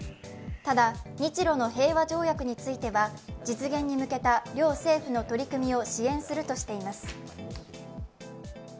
ただ、日ロの平和条約については、実現に向けた両政府の取り組みを支援するとしています。